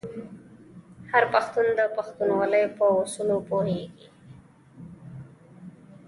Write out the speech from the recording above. هر پښتون د پښتونولۍ په اصولو پوهیږي.